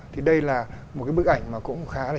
thì đây là một cái bức ảnh mà cũng khá là